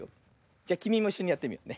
じゃきみもいっしょにやってみようね。